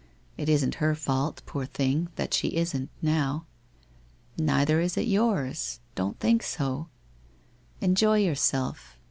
It isn't her fault, poor thing, that she isn't now. Neither is it yours. Don't think so. Enjoy j ourself.